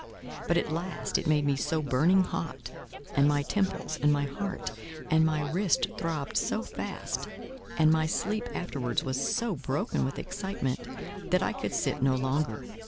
But, at last, it made me so burning hot, and my temples, and my heart, and my wrist throbbed so fast, and my sleep afterwards was so broken with excitement, that I could sit no longer.